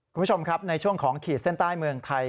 คุณผู้ชมครับในช่วงของขีดเส้นใต้เมืองไทย